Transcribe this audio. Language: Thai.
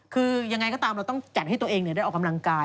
คือยังไงก็ตามเราต้องจัดให้ตัวเองได้ออกกำลังกาย